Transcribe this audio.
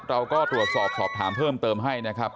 เราก็ตรวจสอบสอบถามเพิ่มเติมให้นะครับ